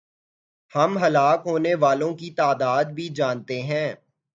ہم ہلاک ہونے والوں کی تعداد بھی جانتے ہیں۔